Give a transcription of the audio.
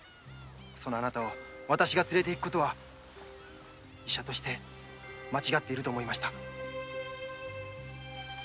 そのあなたをわたしが連れて行くことは医者として間違っていると思いました。